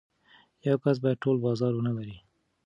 یو کس باید ټول بازار ونلري.